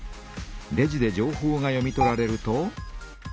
レジで情報が読み取られると。